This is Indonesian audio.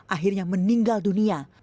akhirnya meninggal dunia